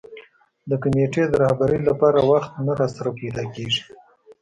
د کمېټې د رهبرۍ لپاره وخت نه راسره پیدا کېږي.